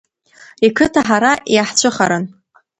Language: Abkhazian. Иқыҭа ҳара иаҳцәыхаран.